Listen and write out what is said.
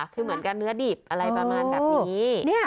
คือเหมือนกันเนื้อดิบอะไรประมาณแบบนี้